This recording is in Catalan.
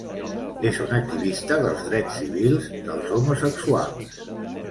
És un activista dels drets civils dels homosexuals.